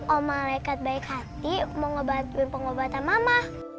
om mereka baik hati mau ngebantuin pengobatan mama